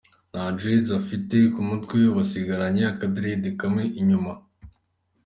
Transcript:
Nta Dreads afite ku mutwe, ubu asigaranye aka dread kamwe inyuma.